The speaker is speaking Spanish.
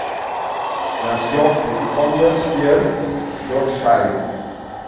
Nació en Huddersfield, Yorkshire.